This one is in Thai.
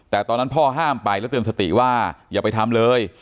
แต่ตอนนั้นพ่อห้ามไปแล้วเตือนสติว่าอย่าไปทำเลย